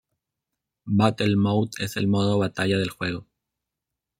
Battle Mode: Es el modo batalla del juego.